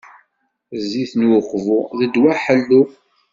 Zzit n Uqbu d ddwa ḥellu.